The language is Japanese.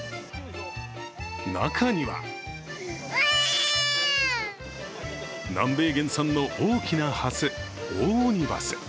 中には南米原産の大きなハスオオオニバス。